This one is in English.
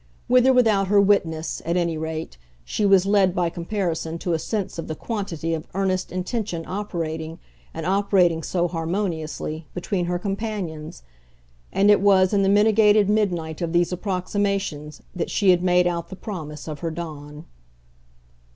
With or without her witness, at any rate, she was led by comparison to a sense of the quantity of earnest intention operating, and operating so harmoniously, between her companions; and it was in the mitigated midnight of these approximations that she had made out the promise of her dawn.